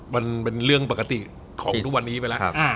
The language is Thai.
มันเป็นเรื่องปกติของทุกวันนี้ไปแล้ว